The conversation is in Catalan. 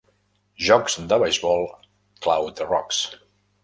Jocs de beisbol Cloud Rox.